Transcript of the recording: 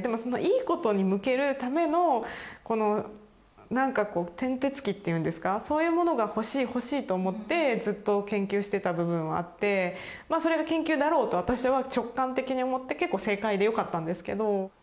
でもそのいいことに向けるためのなんかこう転轍機っていうんですかそういうものが欲しい欲しいと思ってずっと研究してた部分はあってそれが研究だろうと私は直感的に思って結構正解でよかったんですけど。